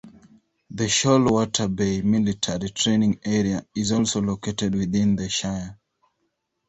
The Shoalwater Bay Military Training Area is also located within the shire.